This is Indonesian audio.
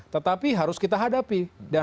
tetapi harus kita hadapi